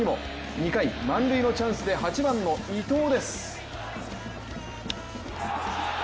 ２回、満塁のチャンスで８番の伊藤です。